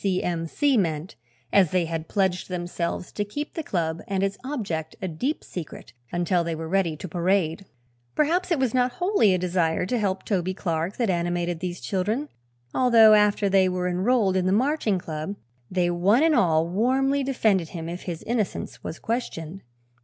C. M. C." meant, as they had pledged themselves to keep the club and its object a deep secret until they were ready to parade. Perhaps it was not wholly a desire to help Toby Clark that animated these children, although after they were enrolled in the Marching Club they one and all warmly defended him if his innocence was questioned.